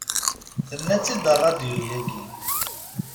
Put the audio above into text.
Tenna-tt-id rradyu-agi.